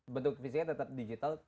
bentuk fisiknya tetap digital